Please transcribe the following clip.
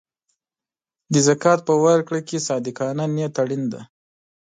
د زکات په ورکړه کې صادقانه نیت اړین دی.